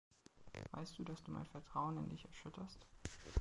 Weißt du, dass du mein Vertrauen in dich erschütterst?